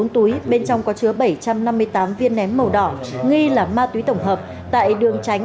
bốn túi bên trong có chứa bảy trăm năm mươi tám viên nén màu đỏ nghi là ma túy tổng hợp tại đường tránh